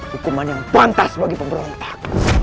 hukuman yang pantas bagi pemerintah